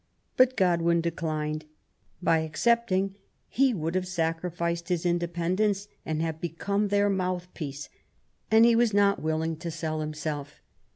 But Godwin declined. By accepting he would have sacrificed his independence and have become their mouthpiece, and he was not willing to sell himself.